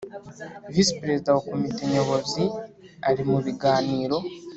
Visi Perezida wa Komite Nyobozi ari mubiganiro